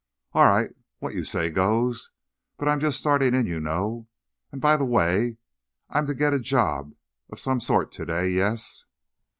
"All right: what you say goes. But I'm just starting in, you know. And, by the way, I'm to get a job of some sort today yes?"